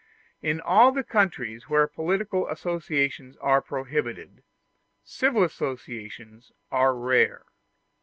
In all the countries where political associations are prohibited, civil associations are rare.